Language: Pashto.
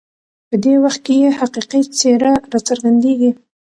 په دې وخت کې یې حقیقي څېره راڅرګندېږي.